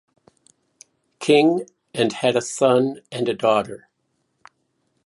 King and had a son and a daughter.